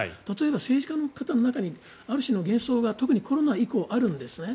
政治家の方の中にある種の幻想が特にコロナ以降あるんですね。